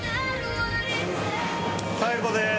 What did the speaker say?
最後です！